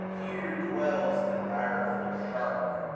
Here dwells the direful shark.